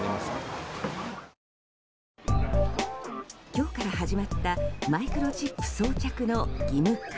今日から始まったマイクロチップ装着の義務化。